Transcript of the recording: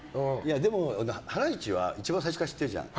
でも、ハライチは一番最初から知ってるじゃん。